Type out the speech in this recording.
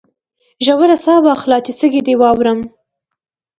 ژوره ساه واخله چې سږي دي واورم